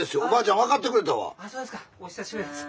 おばあちゃんわかってくれたわ。